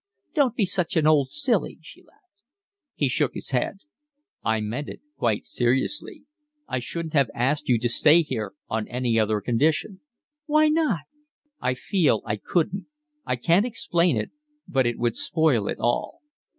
"Don't be such an old silly," she laughed. He shook his head. "I meant it quite seriously. I shouldn't have asked you to stay here on any other condition." "Why not?" "I feel I couldn't. I can't explain it, but it would spoil it all."